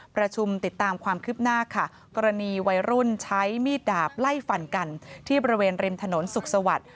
ประชุมติดตามความคืบหน้าค่ะกรณีวัยรุ่นใช้มีดดาบไล่ฟันกันที่บริเวณริมถนนสุขสวัสดิ์